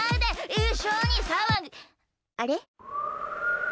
あれ？